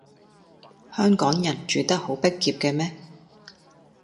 香港人住得好逼狹嘅咩